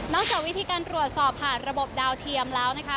จากวิธีการตรวจสอบผ่านระบบดาวเทียมแล้วนะคะ